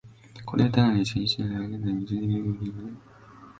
これを多の一、一の多として、現在の矛盾的自己同一から時が成立するというのである。